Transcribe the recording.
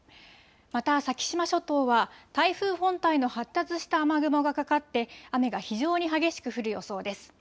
また先島諸島は台風本体の発達した雨雲がかかって雨が非常に激しく降る予想です。